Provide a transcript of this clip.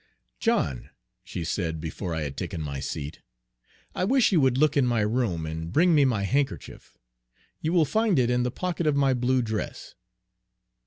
"John," she said, before I had taken my seat, "I wish you would look in my room, and bring me my handkerchief. Page 161 You will find it in the pocket of my blue dress."